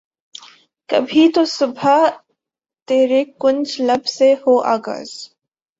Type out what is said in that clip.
کبھی تو صبح ترے کنج لب سے ہو آغاز